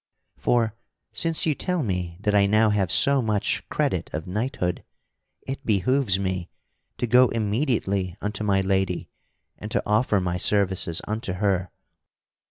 For, since you tell me that I now have so much credit of knighthood, it behooves me to go immediately unto my lady and to offer my services unto her.